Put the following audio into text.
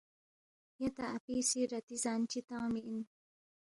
یا تا اپی سی رتی زان چی تنگمی اِن